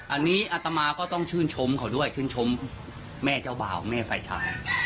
อันนี้อัตมาก็ต้องชื่นชมเขาด้วยชื่นชมแม่เจ้าบ่าวแม่ฝ่ายชาย